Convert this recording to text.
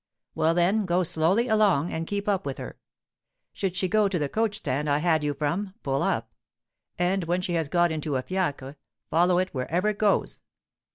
"Well, then, go slowly along, and keep up with her. Should she go to the coach stand I had you from, pull up; and when she has got into a fiacre, follow it wherever it goes."